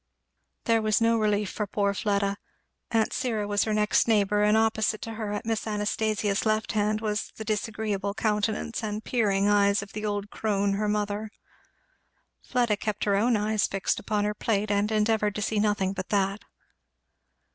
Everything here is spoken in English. There was no relief for poor Fleda. Aunt Syra was her next neighbour, and opposite to her, at Miss Anastasia's left hand, was the disagreeable countenance and peering eyes of the old crone her mother. Fleda kept her own eyes fixed upon her plate and endeavoured to see nothing but that.